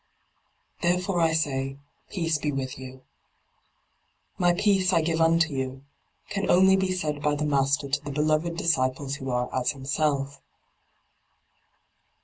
Therefore I say. Peace be with you. My peace 1 give unto you can only be said by the Master to the beloved disciples who are as himself.